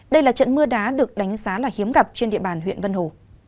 đây là trận mưa đá được đánh giá là hiếm gặp trên địa bàn huyện vân hồ